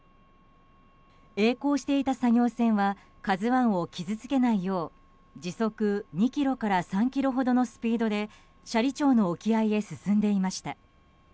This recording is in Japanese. えい航していた作業船は「ＫＡＺＵ１」を傷つけないよう時速２キロから３キロほどのスピードで斜里町の沖合へ進んでいました。